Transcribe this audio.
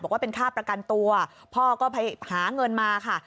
ว่าเป็นค่าประกันตัวพ่อก็ไปหาเงินมาค่ะ